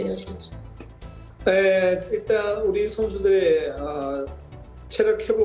tapi kita juga memiliki sebagian lagi waktu